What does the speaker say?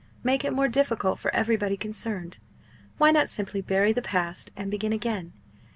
make it more difficult for everybody concerned? Why not simply bury the past and begin again?